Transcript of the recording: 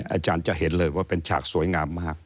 อาจารย์จะเห็นเลยว่าเป็นฉากสวยงามมาก